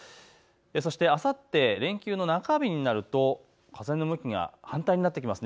そしてあさって連休の中日になると、風の向きが反対になってきます。